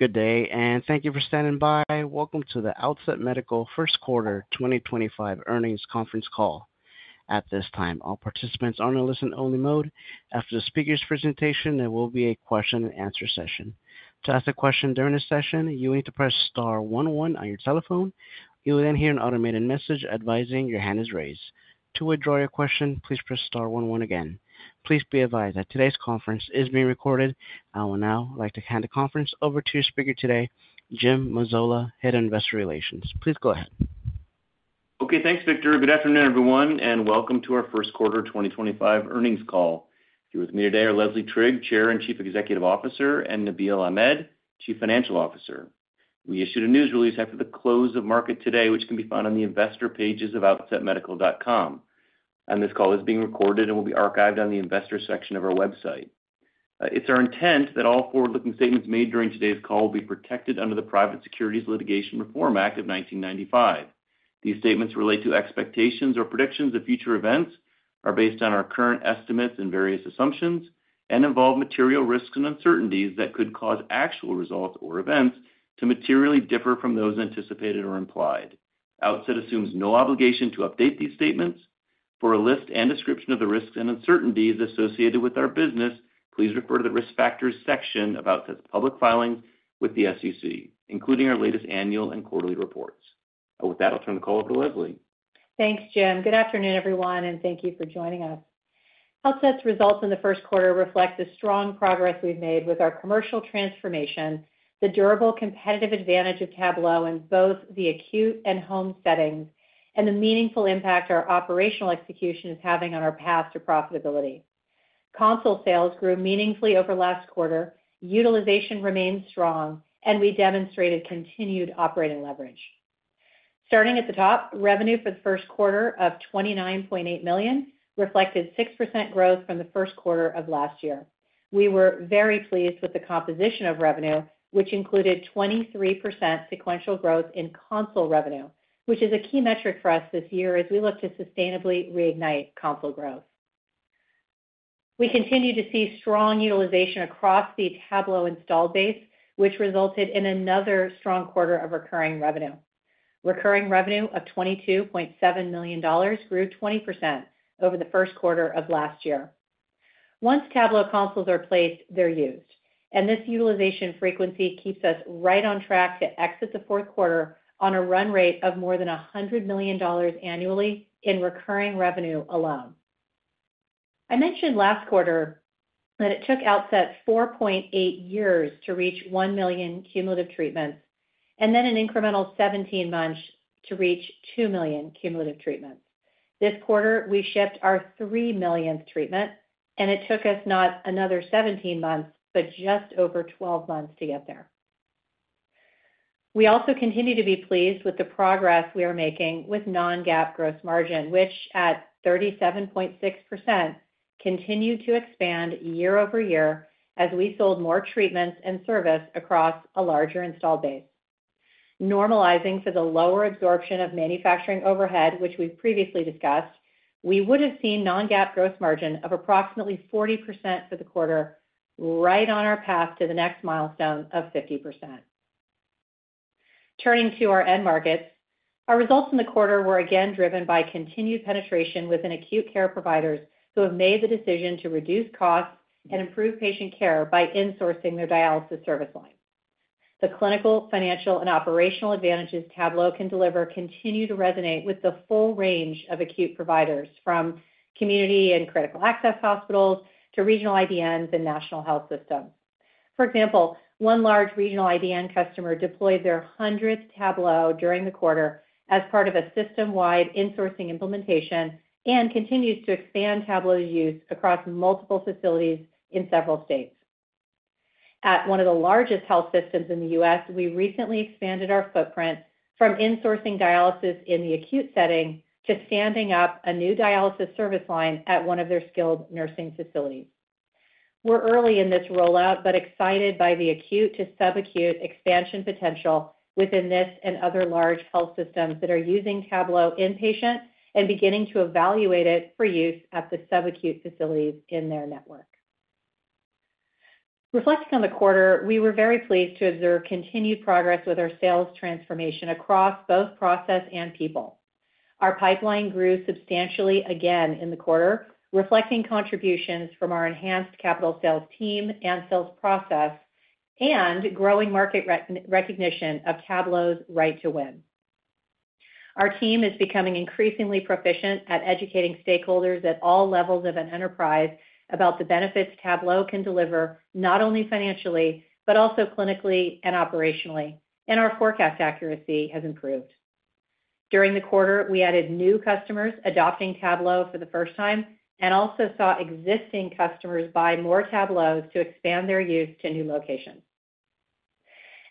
Good day, and thank you for standing by. Welcome to the Outset Medical First Quarter 2025 earnings conference call. At this time, all participants are in a listen-only mode. After the speaker's presentation, there will be a question-and-answer session. To ask a question during this session, you will need to press star one one on your telephone. You will then hear an automated message advising your hand is raised. To withdraw your question, please press star one one again. Please be advised that today's conference is being recorded. I will now like to hand the conference over to your speaker today, Jim Mazzola, Head of Investor Relations. Please go ahead. Okay, thanks, Victor. Good afternoon, everyone, and welcome to our First Quarter 2025 Earnings Call. Here with me today are Leslie Trigg, Chair and Chief Executive Officer, and Nabeel Ahmed, Chief Financial Officer. We issued a news release after the close of market today, which can be found on the investor pages of outsetmedical.com. This call is being recorded and will be archived on the investor section of our website. It's our intent that all forward-looking statements made during today's call will be protected under the Private Securities Litigation Reform Act of 1995. These statements relate to expectations or predictions of future events, are based on our current estimates and various assumptions, and involve material risks and uncertainties that could cause actual results or events to materially differ from those anticipated or implied. Outset assumes no obligation to update these statements. For a list and description of the risks and uncertainties associated with our business, please refer to the risk factors section of Outset's public filings with the SEC, including our latest annual and quarterly reports. With that, I'll turn the call over to Leslie. Thanks, Jim. Good afternoon, everyone, and thank you for joining us. Outset's results in the first quarter reflect the strong progress we've made with our commercial transformation, the durable competitive advantage of Tablo in both the acute and home settings, and the meaningful impact our operational execution is having on our path to profitability. Console sales grew meaningfully over last quarter, utilization remained strong, and we demonstrated continued operating leverage. Starting at the top, revenue for the first quarter of $29.8 million reflected 6% growth from the first quarter of last year. We were very pleased with the composition of revenue, which included 23% sequential growth in console revenue, which is a key metric for us this year as we look to sustainably reignite console growth. We continue to see strong utilization across the Tablo installed base, which resulted in another strong quarter of recurring revenue. Recurring revenue of $22.7 million grew 20% over the first quarter of last year. Once Tablo consoles are placed, they're used, and this utilization frequency keeps us right on track to exit the fourth quarter on a run rate of more than $100 million annually in recurring revenue alone. I mentioned last quarter that it took Outset 4.8 years to reach 1 million cumulative treatments and then an incremental 17 months to reach 2 million cumulative treatments. This quarter, we shipped our 3 millionth treatment, and it took us not another 17 months, but just over 12 months to get there. We also continue to be pleased with the progress we are making with non-GAAP gross margin, which at 37.6% continued to expand year over year as we sold more treatments and service across a larger installed base. Normalizing for the lower absorption of manufacturing overhead, which we've previously discussed, we would have seen non-GAAP gross margin of approximately 40% for the quarter, right on our path to the next milestone of 50%. Turning to our end markets, our results in the quarter were again driven by continued penetration within acute care providers who have made the decision to reduce costs and improve patient care by insourcing their dialysis service line. The clinical, financial, and operational advantages Tablo can deliver continue to resonate with the full range of acute providers, from community and critical access hospitals to regional IDNs and national health systems. For example, one large regional IDN customer deployed their 100th Tablo during the quarter as part of a system-wide insourcing implementation and continues to expand Tablo's use across multiple facilities in several states. At one of the largest health systems in the U.S., we recently expanded our footprint from insourcing dialysis in the acute setting to standing up a new dialysis service line at one of their skilled nursing facilities. We're early in this rollout, but excited by the acute to subacute expansion potential within this and other large health systems that are using Tablo inpatient and beginning to evaluate it for use at the subacute facilities in their network. Reflecting on the quarter, we were very pleased to observe continued progress with our sales transformation across both process and people. Our pipeline grew substantially again in the quarter, reflecting contributions from our enhanced capital sales team and sales process and growing market recognition of Tablo's right to win. Our team is becoming increasingly proficient at educating stakeholders at all levels of an enterprise about the benefits Tablo can deliver not only financially, but also clinically and operationally, and our forecast accuracy has improved. During the quarter, we added new customers adopting Tablo for the first time and also saw existing customers buy more Tablos to expand their use to new locations.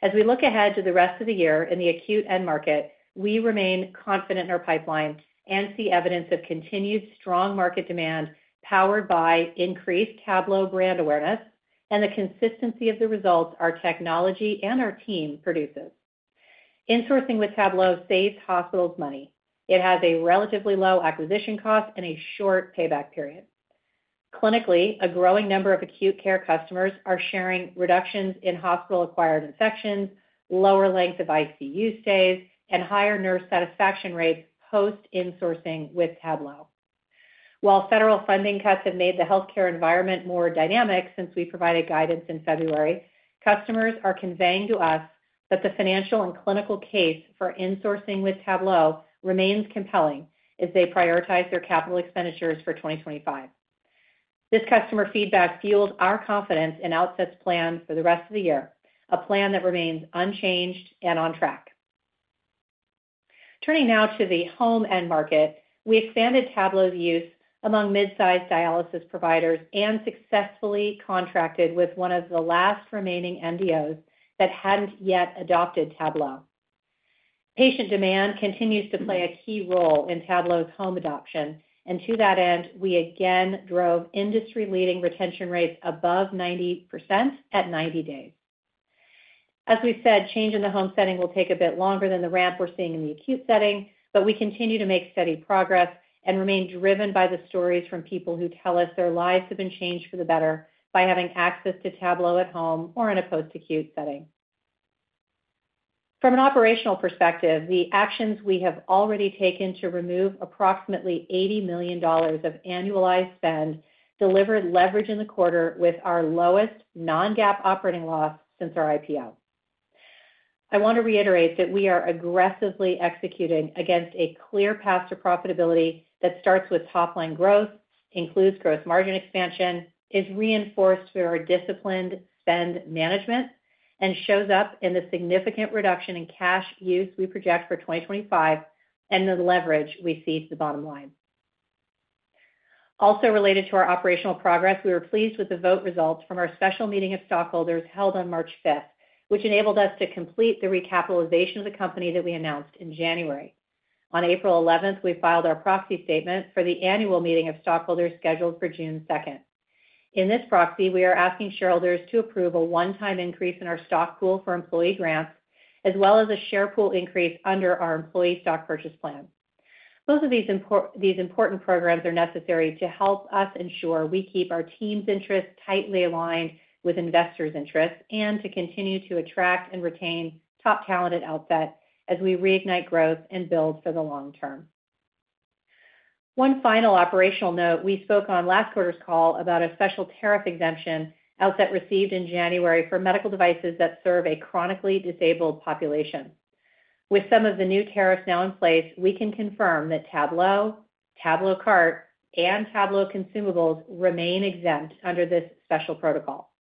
As we look ahead to the rest of the year in the acute end market, we remain confident in our pipeline and see evidence of continued strong market demand powered by increased Tablo brand awareness and the consistency of the results our technology and our team produces. Insourcing with Tablo saves hospitals money. It has a relatively low acquisition cost and a short payback period. Clinically, a growing number of acute care customers are sharing reductions in hospital-acquired infections, lower length of ICU stays, and higher nurse satisfaction rates post-insourcing with Tablo. While federal funding cuts have made the healthcare environment more dynamic since we provided guidance in February, customers are conveying to us that the financial and clinical case for insourcing with Tablo remains compelling as they prioritize their capital expenditures for 2025. This customer feedback fueled our confidence in Outset's plan for the rest of the year, a plan that remains unchanged and on track. Turning now to the home end market, we expanded Tablo's use among mid-size dialysis providers and successfully contracted with one of the last remaining NDOs that hadn't yet adopted Tablo. Patient demand continues to play a key role in Tablo's home adoption, and to that end, we again drove industry-leading retention rates above 90% at 90 days. As we said, change in the home setting will take a bit longer than the ramp we're seeing in the acute setting, but we continue to make steady progress and remain driven by the stories from people who tell us their lives have been changed for the better by having access to Tablo at home or in a post-acute setting. From an operational perspective, the actions we have already taken to remove approximately $80 million of annualized spend delivered leverage in the quarter with our lowest non-GAAP operating loss since our IPO. I want to reiterate that we are aggressively executing against a clear path to profitability that starts with top-line growth, includes gross margin expansion, is reinforced through our disciplined spend management, and shows up in the significant reduction in cash use we project for 2025 and the leverage we see to the bottom line. Also related to our operational progress, we were pleased with the vote results from our special meeting of stockholders held on March 5th, which enabled us to complete the recapitalization of the company that we announced in January. On April 11th, we filed our proxy statement for the annual meeting of stockholders scheduled for June 2nd. In this proxy, we are asking shareholders to approve a one-time increase in our stock pool for employee grants, as well as a share pool increase under our employee stock purchase plan. Both of these important programs are necessary to help us ensure we keep our team's interests tightly aligned with investors' interests and to continue to attract and retain top talent at Outset as we reignite growth and build for the long term. One final operational note, we spoke on last quarter's call about a special tariff exemption Outset received in January for medical devices that serve a chronically disabled population. With some of the new tariffs now in place, we can confirm that Tablo, TabloCart, and Tablo consumables remain exempt under this special protocol.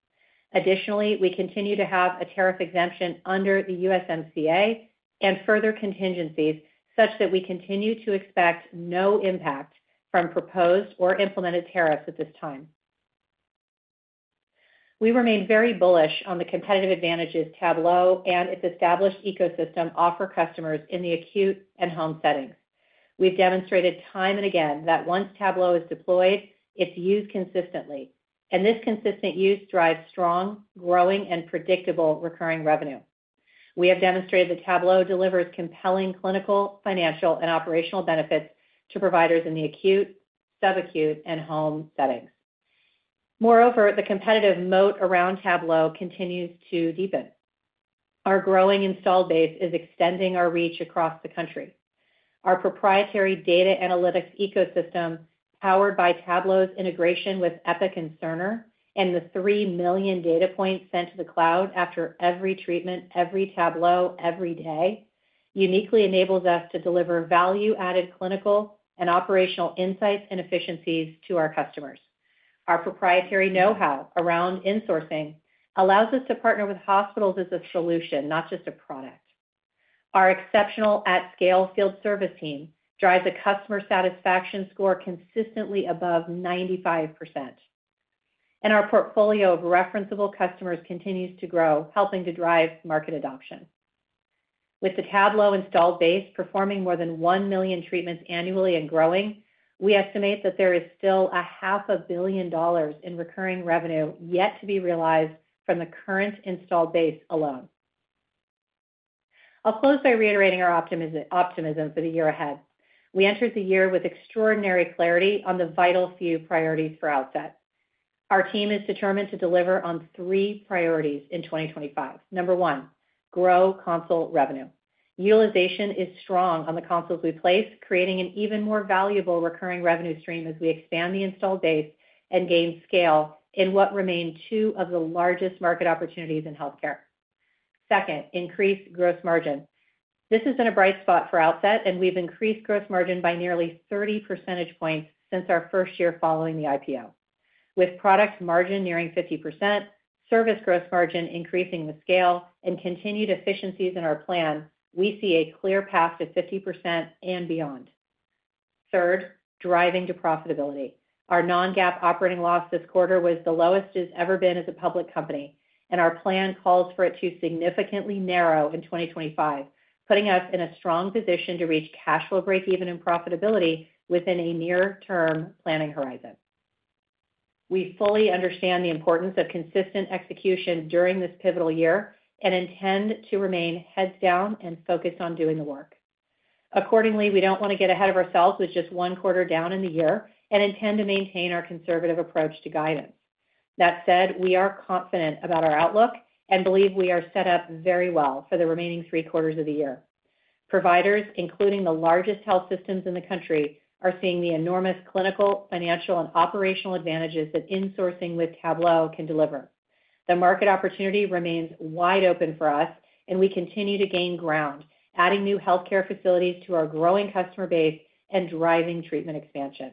Additionally, we continue to have a tariff exemption under the USMCA and further contingencies such that we continue to expect no impact from proposed or implemented tariffs at this time. We remain very bullish on the competitive advantages Tablo and its established ecosystem offer customers in the acute and home settings. We've demonstrated time and again that once Tablo is deployed, it's used consistently, and this consistent use drives strong, growing, and predictable recurring revenue. We have demonstrated that Tablo delivers compelling clinical, financial, and operational benefits to providers in the acute, subacute, and home settings. Moreover, the competitive moat around Tablo continues to deepen. Our growing installed base is extending our reach across the country. Our proprietary data analytics ecosystem powered by Tablo's integration with Epic and Cerner and the 3 million data points sent to the cloud after every treatment, every Tablo, every day uniquely enables us to deliver value-added clinical and operational insights and efficiencies to our customers. Our proprietary know-how around insourcing allows us to partner with hospitals as a solution, not just a product. Our exceptional at-scale field service team drives a customer satisfaction score consistently above 95%, and our portfolio of referenceable customers continues to grow, helping to drive market adoption. With the Tablo installed base performing more than 1 million treatments annually and growing, we estimate that there is still $500 million in recurring revenue yet to be realized from the current installed base alone. I'll close by reiterating our optimism for the year ahead. We entered the year with extraordinary clarity on the vital few priorities for Outset. Our team is determined to deliver on three priorities in 2025. Number one, grow console revenue. Utilization is strong on the consoles we place, creating an even more valuable recurring revenue stream as we expand the installed base and gain scale in what remain two of the largest market opportunities in healthcare. Second, increase gross margin. This has been a bright spot for Outset, and we've increased gross margin by nearly 30 percentage points since our first year following the IPO. With product margin nearing 50%, service gross margin increasing with scale, and continued efficiencies in our plan, we see a clear path to 50% and beyond. Third, driving to profitability. Our non-GAAP operating loss this quarter was the lowest it's ever been as a public company, and our plan calls for it to significantly narrow in 2025, putting us in a strong position to reach cash flow break-even and profitability within a near-term planning horizon. We fully understand the importance of consistent execution during this pivotal year and intend to remain heads down and focused on doing the work. Accordingly, we don't want to get ahead of ourselves with just one quarter down in the year and intend to maintain our conservative approach to guidance. That said, we are confident about our outlook and believe we are set up very well for the remaining three quarters of the year. Providers, including the largest health systems in the country, are seeing the enormous clinical, financial, and operational advantages that insourcing with Tablo can deliver. The market opportunity remains wide open for us, and we continue to gain ground, adding new healthcare facilities to our growing customer base and driving treatment expansion.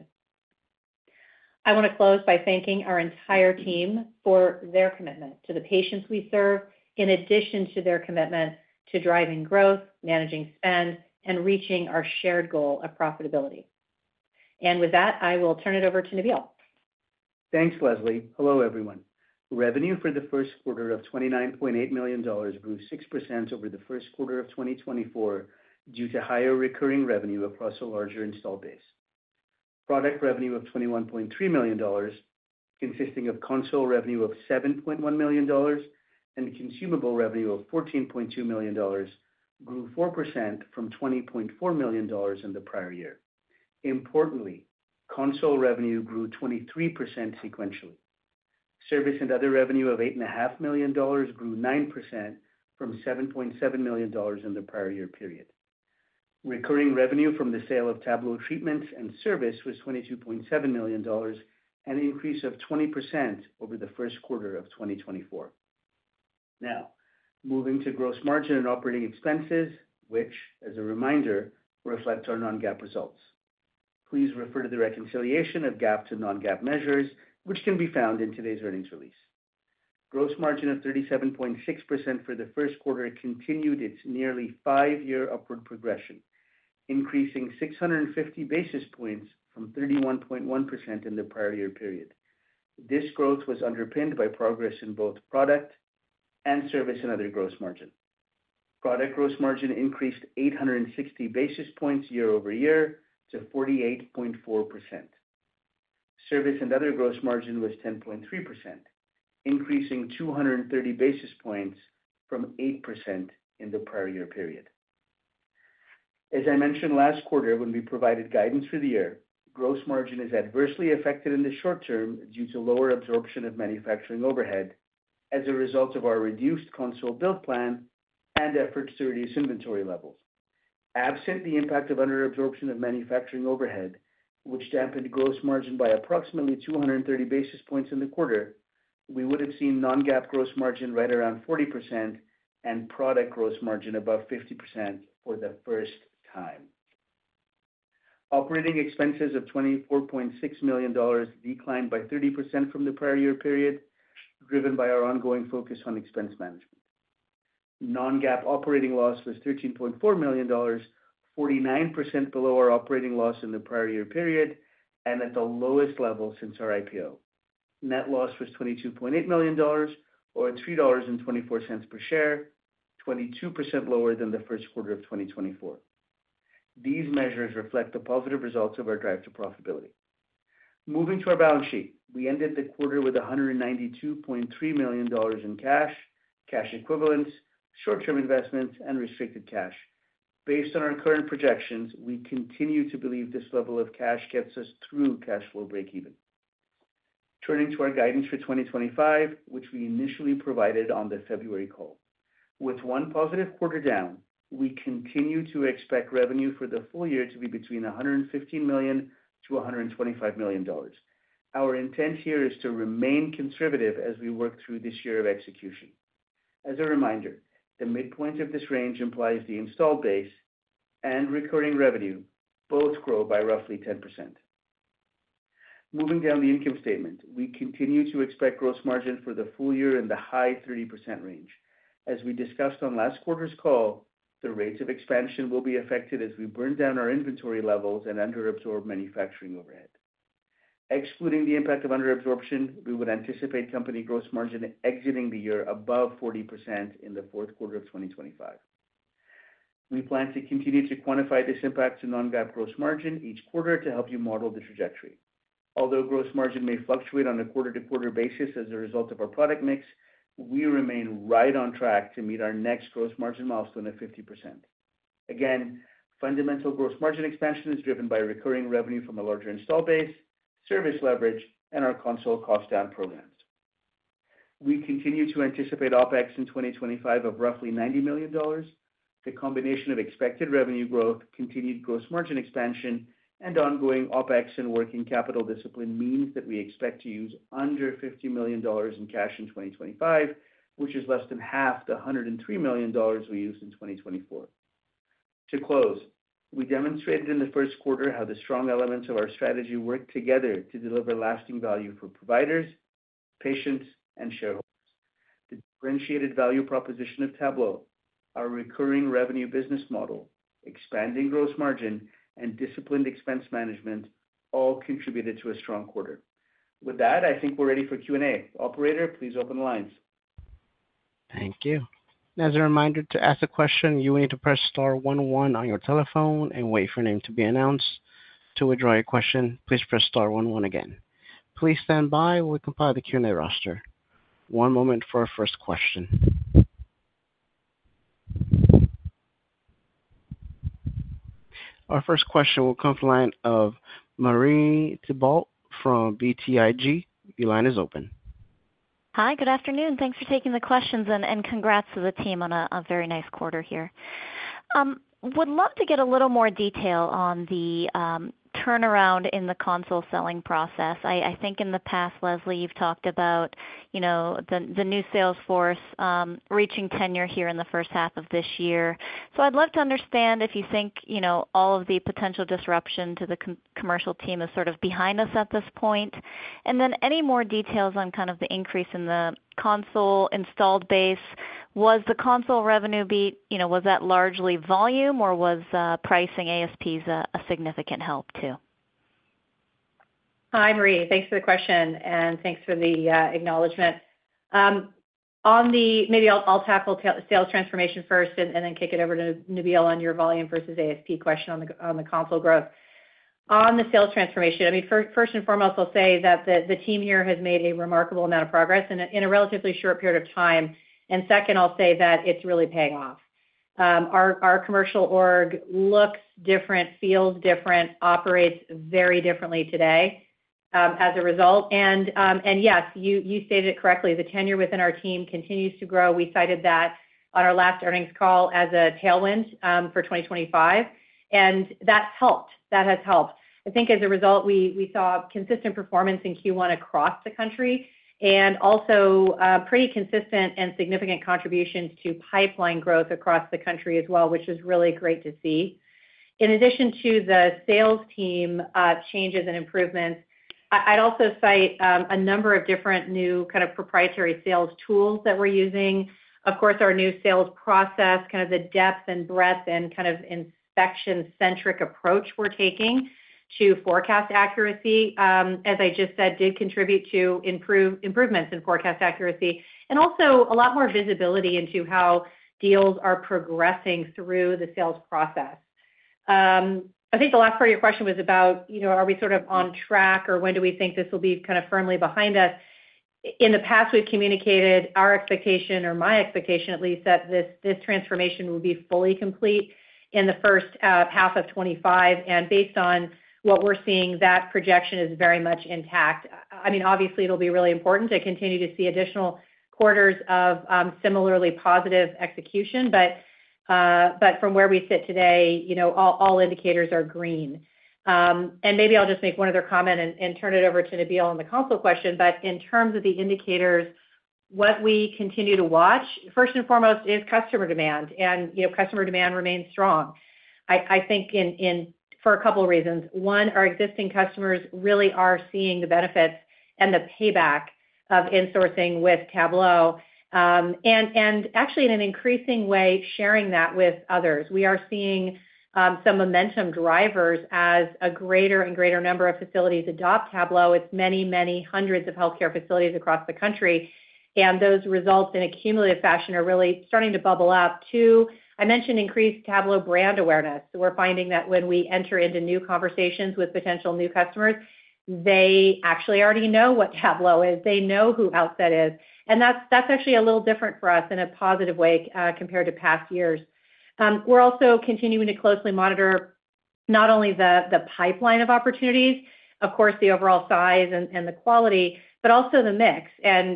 I want to close by thanking our entire team for their commitment to the patients we serve, in addition to their commitment to driving growth, managing spend, and reaching our shared goal of profitability. I will turn it over to Nabeel. Thanks, Leslie. Hello, everyone. Revenue for the first quarter of $29.8 million grew 6% over the first quarter of 2024 due to higher recurring revenue across a larger installed base. Product revenue of $21.3 million, consisting of console revenue of $7.1 million and consumable revenue of $14.2 million, grew 4% from $20.4 million in the prior year. Importantly, console revenue grew 23% sequentially. Service and other revenue of $8.5 million grew 9% from $7.7 million in the prior year period. Recurring revenue from the sale of Tablo treatments and service was $22.7 million, an increase of 20% over the first quarter of 2024. Now, moving to gross margin and operating expenses, which, as a reminder, reflects our non-GAAP results. Please refer to the reconciliation of GAAP to non-GAAP measures, which can be found in today's earnings release. Gross margin of 37.6% for the first quarter continued its nearly five-year upward progression, increasing 650 basis points from 31.1% in the prior year period. This growth was underpinned by progress in both product and service and other gross margin. Product gross margin increased 860 basis points year over year to 48.4%. Service and other gross margin was 10.3%, increasing 230 basis points from 8% in the prior year period. As I mentioned last quarter, when we provided guidance for the year, gross margin is adversely affected in the short term due to lower absorption of manufacturing overhead as a result of our reduced console build plan and efforts to reduce inventory levels. Absent the impact of under-absorption of manufacturing overhead, which dampened gross margin by approximately 230 basis points in the quarter, we would have seen non-GAAP gross margin right around 40% and product gross margin above 50% for the first time. Operating expenses of $24.6 million declined by 30% from the prior year period, driven by our ongoing focus on expense management. Non-GAAP operating loss was $13.4 million, 49% below our operating loss in the prior year period and at the lowest level since our IPO. Net loss was $22.8 million, or $3.24 per share, 22% lower than the first quarter of 2024. These measures reflect the positive results of our drive to profitability. Moving to our balance sheet, we ended the quarter with $192.3 million in cash, cash equivalents, short-term investments, and restricted cash. Based on our current projections, we continue to believe this level of cash gets us through cash flow break-even. Turning to our guidance for 2025, which we initially provided on the February call. With one positive quarter down, we continue to expect revenue for the full year to be between $115 million and $125 million. Our intent here is to remain conservative as we work through this year of execution. As a reminder, the midpoint of this range implies the installed base and recurring revenue both grow by roughly 10%. Moving down the income statement, we continue to expect gross margin for the full year in the high 30% range. As we discussed on last quarter's call, the rates of expansion will be affected as we burn down our inventory levels and under-absorb manufacturing overhead. Excluding the impact of under-absorption, we would anticipate company gross margin exiting the year above 40% in the fourth quarter of 2025. We plan to continue to quantify this impact to non-GAAP gross margin each quarter to help you model the trajectory. Although gross margin may fluctuate on a quarter-to-quarter basis as a result of our product mix, we remain right on track to meet our next gross margin milestone at 50%. Again, fundamental gross margin expansion is driven by recurring revenue from a larger installed base, service leverage, and our console cost-down programs. We continue to anticipate OPEX in 2025 of roughly $90 million. The combination of expected revenue growth, continued gross margin expansion, and ongoing OPEX and working capital discipline means that we expect to use under $50 million in cash in 2025, which is less than half the $103 million we used in 2024. To close, we demonstrated in the first quarter how the strong elements of our strategy work together to deliver lasting value for providers, patients, and shareholders. The differentiated value proposition of Tablo, our recurring revenue business model, expanding gross margin, and disciplined expense management all contributed to a strong quarter. With that, I think we're ready for Q&A. Operator, please open the lines. Thank you. As a reminder, to ask a question, you will need to press star 11 on your telephone and wait for your name to be announced. To withdraw your question, please press star one one again. Please stand by while we compile the Q&A roster. One moment for our first question. Our first question will come from the line of Marie Thibault from BTIG. Your line is open. Hi, good afternoon. Thanks for taking the questions and congrats to the team on a very nice quarter here. Would love to get a little more detail on the turnaround in the console selling process. I think in the past, Leslie, you've talked about the new sales force reaching tenure here in the first half of this year. I would love to understand if you think all of the potential disruption to the commercial team is sort of behind us at this point. Any more details on the increase in the console installed base? Was the console revenue beat largely volume, or was pricing ASPs a significant help too? Hi, Marie. Thanks for the question, and thanks for the acknowledgment. Maybe I'll tackle sales transformation first and then kick it over to Nabeel on your volume versus ASP question on the console growth. On the sales transformation, I mean, first and foremost, I'll say that the team here has made a remarkable amount of progress in a relatively short period of time. Second, I'll say that it's really paying off. Our commercial org looks different, feels different, operates very differently today as a result. Yes, you stated it correctly. The tenure within our team continues to grow. We cited that on our last earnings call as a tailwind for 2025, and that's helped. That has helped. I think as a result, we saw consistent performance in Q1 across the country and also pretty consistent and significant contributions to pipeline growth across the country as well, which is really great to see. In addition to the sales team changes and improvements, I'd also cite a number of different new kind of proprietary sales tools that we're using. Of course, our new sales process, kind of the depth and breadth and kind of inspection-centric approach we're taking to forecast accuracy, as I just said, did contribute to improvements in forecast accuracy and also a lot more visibility into how deals are progressing through the sales process. I think the last part of your question was about, are we sort of on track, or when do we think this will be kind of firmly behind us? In the past, we've communicated our expectation, or my expectation at least, that this transformation will be fully complete in the first half of 2025. And based on what we're seeing, that projection is very much intact. I mean, obviously, it'll be really important to continue to see additional quarters of similarly positive execution, but from where we sit today, all indicators are green. Maybe I'll just make one other comment and turn it over to Nabeel on the console question, but in terms of the indicators, what we continue to watch, first and foremost, is customer demand, and customer demand remains strong. I think for a couple of reasons. One, our existing customers really are seeing the benefits and the payback of insourcing with Tablo, and actually in an increasing way sharing that with others. We are seeing some momentum drivers as a greater and greater number of facilities adopt Tablo. It's many, many hundreds of healthcare facilities across the country, and those results in a cumulative fashion are really starting to bubble up. Two, I mentioned increased Tablo brand awareness. We're finding that when we enter into new conversations with potential new customers, they actually already know what Tablo is. They know who Outset is, and that's actually a little different for us in a positive way compared to past years. We're also continuing to closely monitor not only the pipeline of opportunities, of course, the overall size and the quality, but also the mix.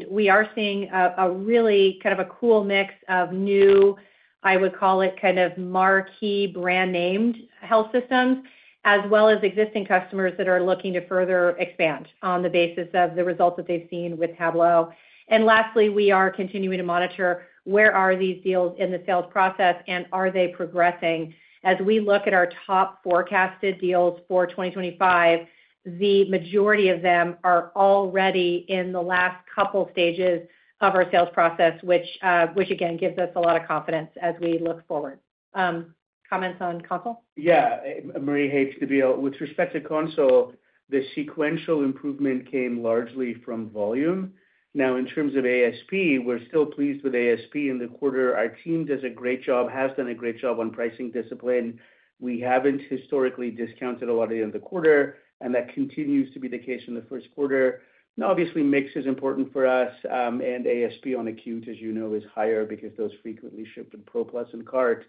We are seeing a really kind of a cool mix of new, I would call it kind of marquee brand-name health systems, as well as existing customers that are looking to further expand on the basis of the results that they've seen with Tablo. Lastly, we are continuing to monitor where are these deals in the sales process, and are they progressing? As we look at our top forecasted deals for 2025, the majority of them are already in the last couple stages of our sales process, which, again, gives us a lot of confidence as we look forward. Comments on console? Yeah. Marie. It's Nabeel, with respect to console, the sequential improvement came largely from volume. Now, in terms of ASP, we're still pleased with ASP in the quarter. Our team does a great job, has done a great job on pricing discipline. We haven't historically discounted a lot at the end of the quarter, and that continues to be the case in the first quarter. Obviously, mix is important for us, and ASP on acute, as you know, is higher because those frequently ship with PRO+ and [TabloCart.]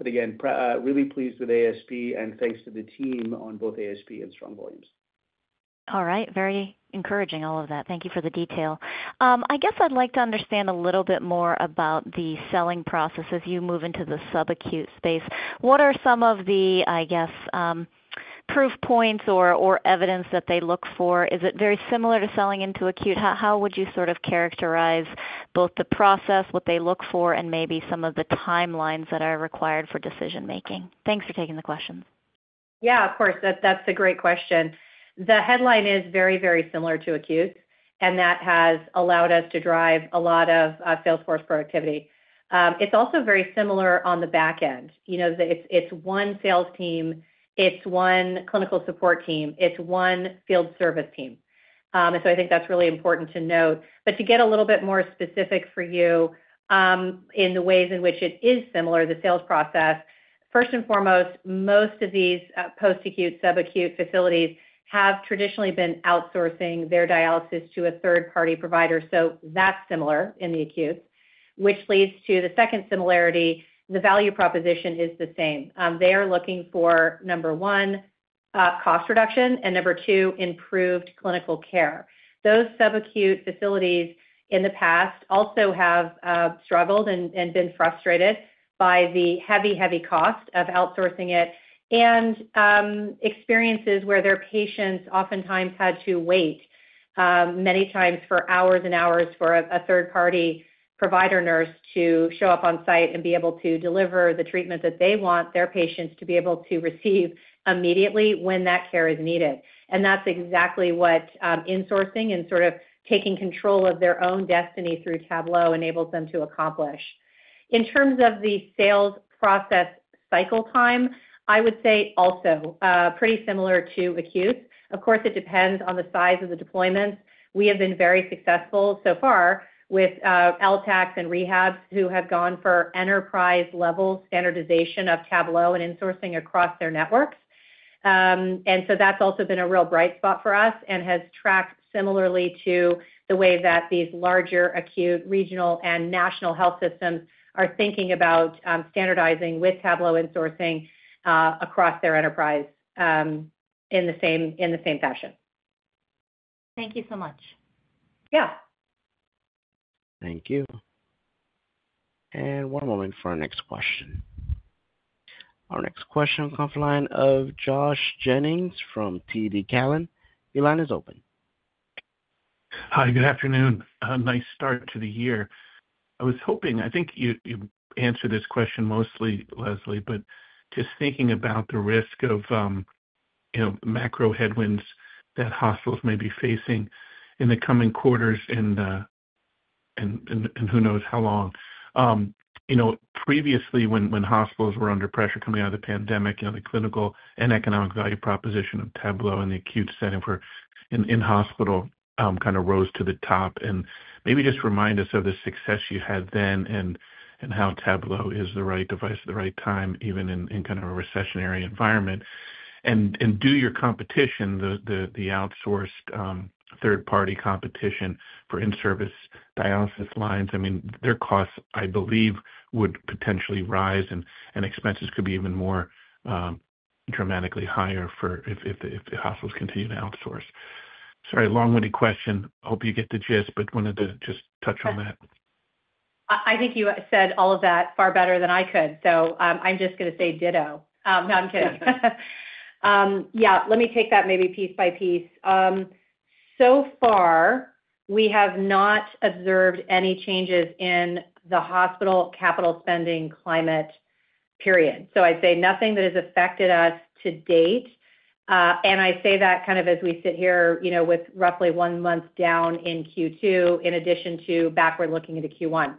Again, really pleased with ASP, and thanks to the team on both ASP and strong volumes. All right. Very encouraging, all of that. Thank you for the detail. I guess I'd like to understand a little bit more about the selling process as you move into the subacute space. What are some of the, I guess, proof points or evidence that they look for? Is it very similar to selling into acute? How would you sort of characterize both the process, what they look for, and maybe some of the timelines that are required for decision-making? Thanks for taking the question. Yeah, of course. That's a great question. The headline is very, very similar to acute, and that has allowed us to drive a lot of sales force productivity. It's also very similar on the back end. It's one sales team. It's one clinical support team. It's one field service team. I think that's really important to note. To get a little bit more specific for you in the ways in which it is similar, the sales process, first and foremost, most of these post-acute, subacute facilities have traditionally been outsourcing their dialysis to a third-party provider. That is similar in the acute, which leads to the second similarity. The value proposition is the same. They are looking for, number one, cost reduction, and number two, improved clinical care. Those subacute facilities in the past also have struggled and been frustrated by the heavy, heavy cost of outsourcing it and experiences where their patients oftentimes had to wait many times for hours and hours for a third-party provider nurse to show up on site and be able to deliver the treatment that they want their patients to be able to receive immediately when that care is needed. That's exactly what insourcing and sort of taking control of their own destiny through Tablo enables them to accomplish. In terms of the sales process cycle time, I would say also pretty similar to acute. Of course, it depends on the size of the deployments. We have been very successful so far with LTACs and rehabs who have gone for enterprise-level standardization of Tablo and insourcing across their networks. That's also been a real bright spot for us and has tracked similarly to the way that these larger acute regional and national health systems are thinking about standardizing with Tablo insourcing across their enterprise in the same fashion. Thank you so much. Yeah. Thank you. One moment for our next question. Our next question comes from the line of Josh Jennings from TD Cowen. Your line is open. Hi, good afternoon. Nice start to the year. I was hoping, I think you answered this question mostly, Leslie, but just thinking about the risk of macro headwinds that hospitals may be facing in the coming quarters and who knows how long. Previously, when hospitals were under pressure coming out of the pandemic, the clinical and economic value proposition of Tablo in the acute setting for in-hospital kind of rose to the top. Maybe just remind us of the success you had then and how Tablo is the right device at the right time, even in kind of a recessionary environment. Do your competition, the outsourced third-party competition for in-service dialysis lines, I mean, their costs, I believe, would potentially rise, and expenses could be even more dramatically higher if hospitals continue to outsource. Sorry, long-winded question. Hope you get the gist, but wanted to just touch on that. I think you said all of that far better than I could. So I'm just going to say ditto. No, I'm kidding. Yeah. Let me take that maybe piece by piece. So far, we have not observed any changes in the hospital capital spending climate period. So I'd say nothing that has affected us to date. And I say that kind of as we sit here with roughly one month down in Q2, in addition to backward looking into Q1.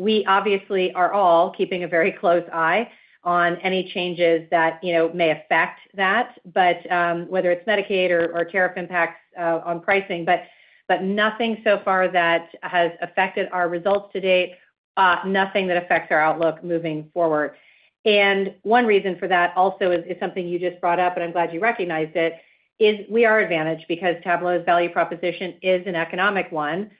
We obviously are all keeping a very close eye on any changes that may affect that, whether it's Medicaid or tariff impacts on pricing, but nothing so far that has affected our results to date, nothing that affects our outlook moving forward. One reason for that also is something you just brought up, and I'm glad you recognized it, is we are advantaged because Tablo's value proposition is an economic one.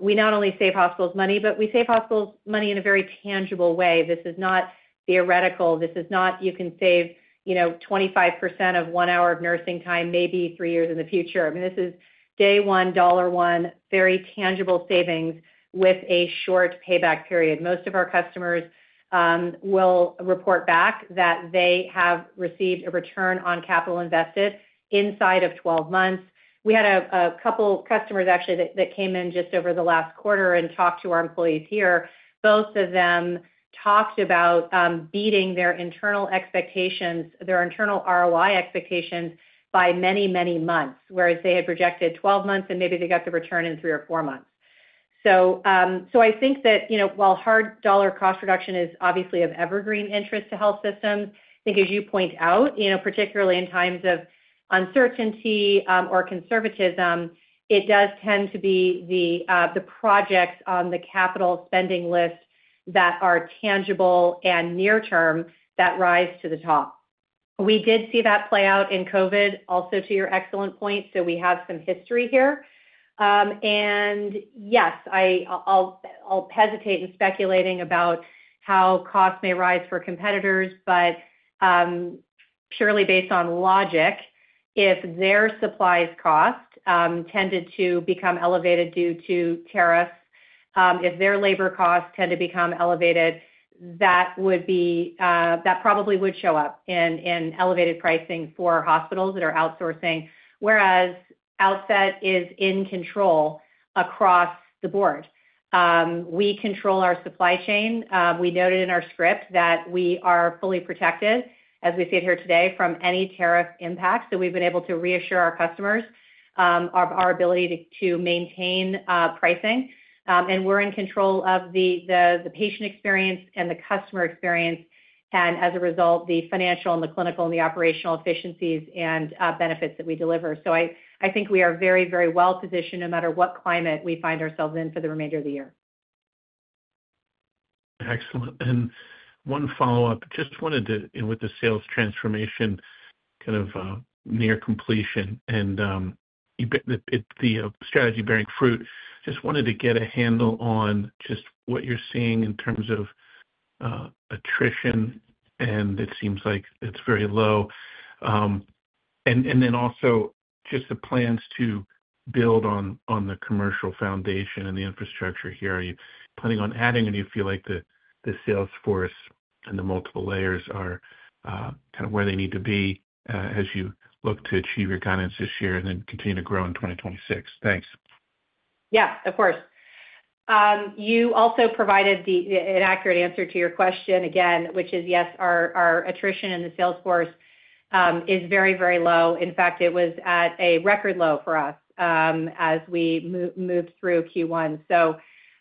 We not only save hospitals money, but we save hospitals money in a very tangible way. This is not theoretical. This is not you can save 25% of one hour of nursing time maybe three years in the future. I mean, this is day one, dollar one, very tangible savings with a short payback period. Most of our customers will report back that they have received a return on capital invested inside of 12 months. We had a couple of customers actually that came in just over the last quarter and talked to our employees here. Both of them talked about beating their internal expectations, their internal ROI expectations by many, many months, whereas they had projected 12 months, and maybe they got the return in three or four months. I think that while hard dollar cost reduction is obviously of evergreen interest to health systems, I think as you point out, particularly in times of uncertainty or conservatism, it does tend to be the projects on the capital spending list that are tangible and near-term that rise to the top. We did see that play out in COVID, also to your excellent point. We have some history here. Yes, I'll hesitate in speculating about how costs may rise for competitors, but purely based on logic, if their supplies cost tended to become elevated due to tariffs, if their labor costs tend to become elevated, that probably would show up in elevated pricing for hospitals that are outsourcing, whereas Outset is in control across the board. We control our supply chain. We noted in our script that we are fully protected, as we see it here today, from any tariff impact. We've been able to reassure our customers of our ability to maintain pricing, and we're in control of the patient experience and the customer experience, and as a result, the financial and the clinical and the operational efficiencies and benefits that we deliver. I think we are very, very well positioned no matter what climate we find ourselves in for the remainder of the year. Excellent. One follow-up. Just wanted to, with the sales transformation kind of near completion and the strategy bearing fruit, just wanted to get a handle on just what you're seeing in terms of attrition, and it seems like it's very low. Also, just the plans to build on the commercial foundation and the infrastructure here. Are you planning on adding, or do you feel like the sales force and the multiple layers are kind of where they need to be as you look to achieve your guidance this year and then continue to grow in 2026? Thanks. Yeah, of course. You also provided an accurate answer to your question again, which is, yes, our attrition in the sales force is very, very low. In fact, it was at a record low for us as we moved through Q1.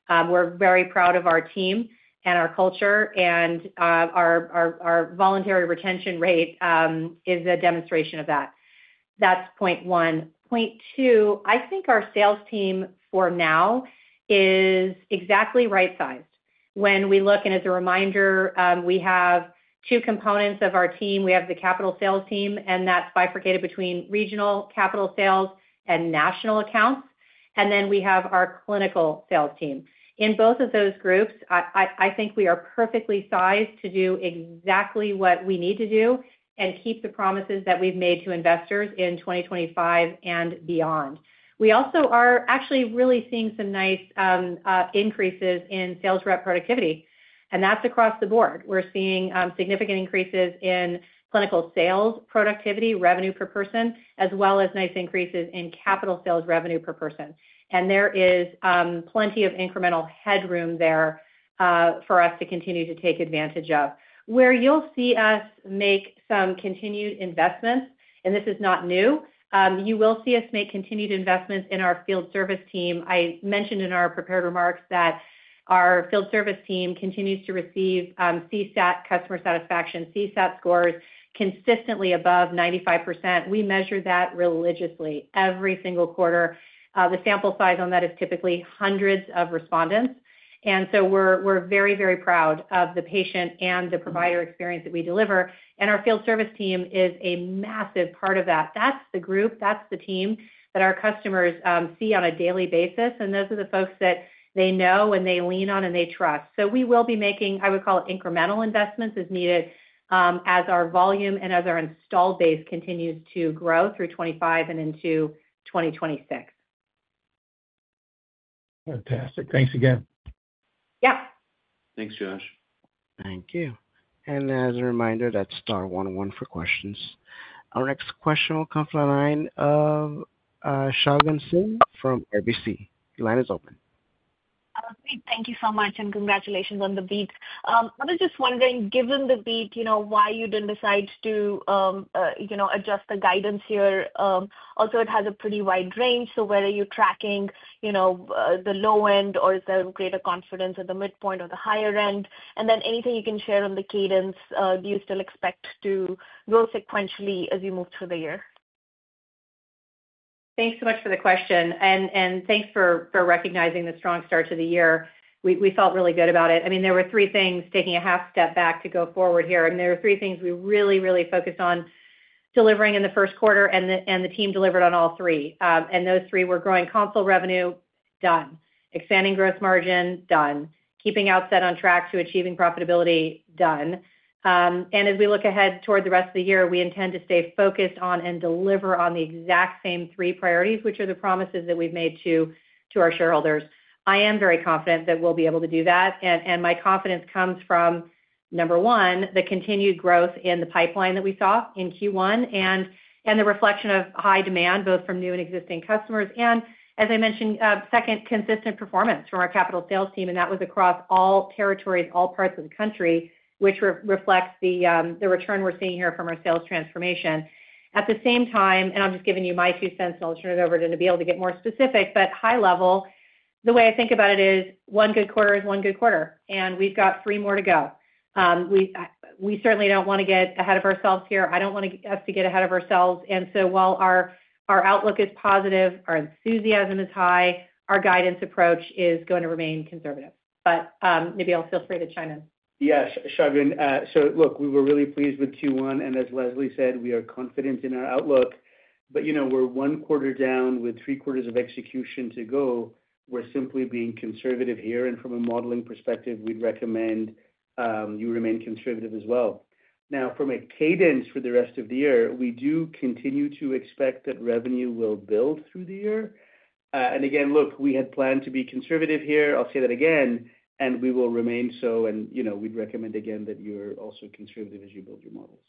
We're very proud of our team and our culture, and our voluntary retention rate is a demonstration of that. That's point one. Point two, I think our sales team for now is exactly right-sized. When we look, and as a reminder, we have two components of our team. We have the capital sales team, and that's bifurcated between regional capital sales and national accounts. Then we have our clinical sales team. In both of those groups, I think we are perfectly sized to do exactly what we need to do and keep the promises that we've made to investors in 2025 and beyond. We also are actually really seeing some nice increases in sales rep productivity, and that's across the board. We're seeing significant increases in clinical sales productivity, revenue per person, as well as nice increases in capital sales revenue per person. There is plenty of incremental headroom there for us to continue to take advantage of. Where you'll see us make some continued investments, and this is not new, you will see us make continued investments in our field service team. I mentioned in our prepared remarks that our field service team continues to receive CSAT customer satisfaction, CSAT scores consistently above 95%. We measure that religiously every single quarter. The sample size on that is typically hundreds of respondents. We are very, very proud of the patient and the provider experience that we deliver. Our field service team is a massive part of that. That is the group, that is the team that our customers see on a daily basis, and those are the folks that they know and they lean on and they trust. We will be making, I would call it, incremental investments as needed as our volume and as our install base continues to grow through 2025 and into 2026. Fantastic. Thanks again. Yeah. Thanks, Josh. Thank you. As a reminder, that's star 1-0-1 for questions. Our next question will come from the line of Shagun Singh from RBC. The line is open. Thank you so much, and congratulations on the beat. I was just wondering, given the beat, why you did not decide to adjust the guidance here. Also, it has a pretty wide range. Whether you are tracking the low end or is there greater confidence at the midpoint or the higher end, and then anything you can share on the cadence, do you still expect to grow sequentially as you move through the year? Thanks so much for the question, and thanks for recognizing the strong start to the year. We felt really good about it. I mean, there were three things, taking a half step back to go forward here, and there were three things we really, really focused on delivering in the first quarter, and the team delivered on all three. Those three were growing console revenue, done. Expanding gross margin, done. Keeping Outset on track to achieving profitability, done. As we look ahead toward the rest of the year, we intend to stay focused on and deliver on the exact same three priorities, which are the promises that we've made to our shareholders. I am very confident that we'll be able to do that. My confidence comes from, number one, the continued growth in the pipeline that we saw in Q1 and the reflection of high demand, both from new and existing customers. As I mentioned, second, consistent performance from our capital sales team, and that was across all territories, all parts of the country, which reflects the return we're seeing here from our sales transformation. At the same time, and I'm just giving you my two cents, I'll turn it over to Nabeel to get more specific, but high level, the way I think about it is one good quarter is one good quarter, and we've got three more to go. We certainly do not want to get ahead of ourselves here. I do not want us to get ahead of ourselves. While our outlook is positive, our enthusiasm is high, our guidance approach is going to remain conservative. Nabeel, feel free to chime in. Yes, Shagun. Look, we were really pleased with Q1, and as Leslie said, we are confident in our outlook. We are one quarter down with three quarters of execution to go. We are simply being conservative here, and from a modeling perspective, we would recommend you remain conservative as well. Now, from a cadence for the rest of the year, we do continue to expect that revenue will build through the year. Again, we had planned to be conservative here. I will say that again, and we will remain so, and we would recommend again that you are also conservative as you build your models.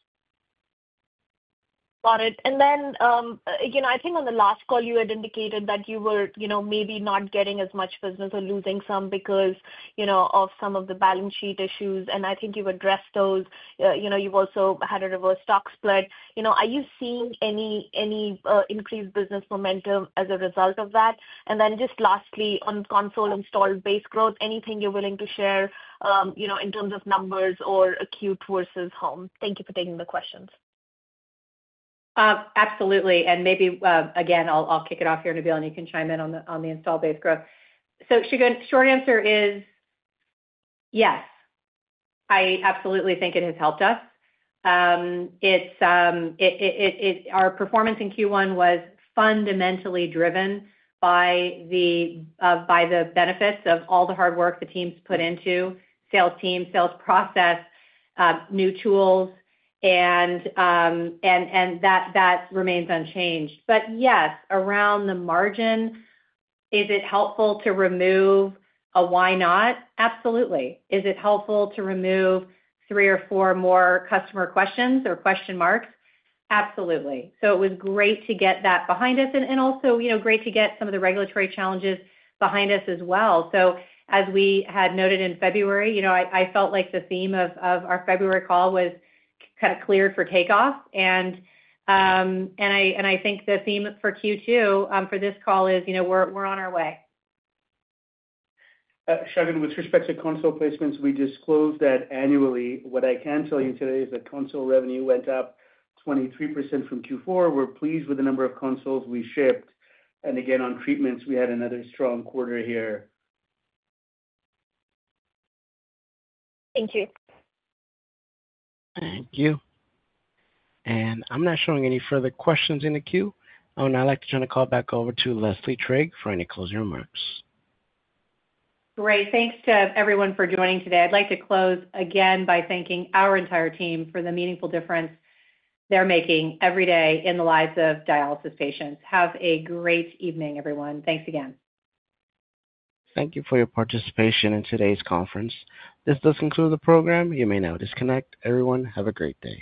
Got it. I think on the last call, you had indicated that you were maybe not getting as much business or losing some because of some of the balance sheet issues, and I think you have addressed those. You've also had a reverse stock split. Are you seeing any increased business momentum as a result of that? And then just lastly, on console installed base growth, anything you're willing to share in terms of numbers or acute versus home? Thank you for taking the questions. Absolutely. Maybe again, I'll kick it off here, Nabeel, and you can chime in on the installed base growth. Short answer is yes. I absolutely think it has helped us. Our performance in Q1 was fundamentally driven by the benefits of all the hard work the team's put into: sales team, sales process, new tools, and that remains unchanged. Yes, around the margin, is it helpful to remove a why not? Absolutely. Is it helpful to remove three or four more customer questions or question marks? Absolutely. It was great to get that behind us, and also great to get some of the regulatory challenges behind us as well. As we had noted in February, I felt like the theme of our February call was kind of cleared for takeoff, and I think the theme for Q2 for this call is we're on our way. Shagun, with respect to console placements, we disclose that annually. What I can tell you today is that console revenue went up 23% from Q4. We're pleased with the number of consoles we shipped. Again, on treatments, we had another strong quarter here. Thank you. Thank you. I'm not showing any further questions in the queue. I would now like to turn the call back over to Leslie Trigg for any closing remarks. Great. Thanks to everyone for joining today. I'd like to close again by thanking our entire team for the meaningful difference they're making every day in the lives of dialysis patients. Have a great evening, everyone. Thanks again. Thank you for your participation in today's conference. This does conclude the program. You may now disconnect. Everyone, have a great day.